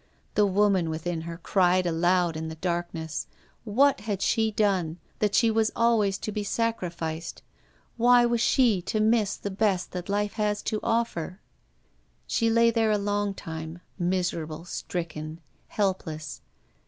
The woman within her cried aloud in the darkness. What had she done that she was always to be sacrificed ? Why was she to miss the best that life has to offer ? She lay there a long time, miserable, stricken, helpless.